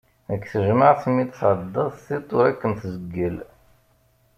Deg tejmaɛt mi d-tɛeddaḍ, tiṭ ur ad kem-tzeggel.